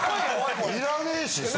いらねえしそこ。